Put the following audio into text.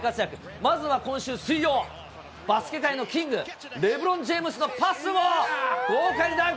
まずは今週水曜、バスケ界のキング、レブロン・ジェームズのパスを豪快にダンク。